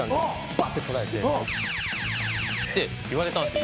バッて取られてって言われたんですよ